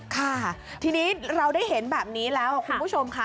ค่ะทีนี้เราได้เห็นแบบนี้แล้วคุณผู้ชมค่ะ